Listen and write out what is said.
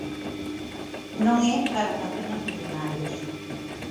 Non é para facernos millonarios.